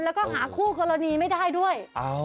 แล้วก็หาคู่กรณีไม่ได้ด้วย